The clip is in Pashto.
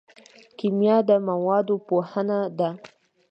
کیمیا د موادو پوهنه ده